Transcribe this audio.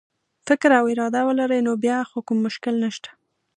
فکر او اراده ولري نو بیا خو کوم مشکل نشته.